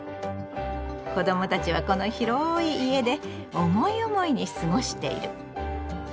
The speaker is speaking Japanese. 子どもたちはこの広い家で思い思いに過ごしている。